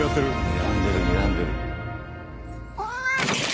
にらんでるにらんでる。